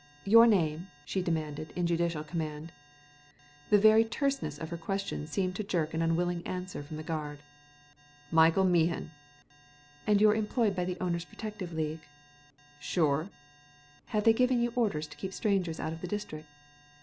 "Your name?" she demanded in judicial command. The very terseness of her question seemed to jerk an unwilling answer from the guard. "Michael Mehan." "And you're employed by the Owners' Protective League?" "Sure." "Have they given you orders to keep strangers out of the district?"